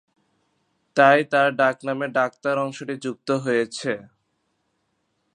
তাই তার ডাকনামে "ডাক্তার" অংশটি যুক্ত হয়েছে।